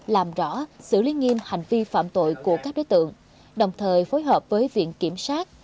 làm rõ xử lý nghiêm hành vi phạm tội của các đối tượng đồng thời phối hợp với viện kiểm sát